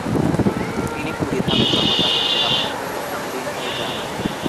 তিনি পুরীধামের জগন্নাথের দেহাভ্যন্তরে লীন হয়ে যান।